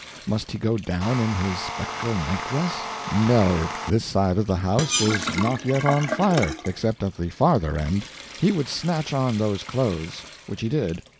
Must he go down in his spectral night dress? No—this side of the house was not yet on fire except at the further end; he would snatch on those clothes. Which he did.